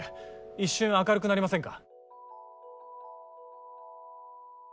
一瞬明るくなりませんか？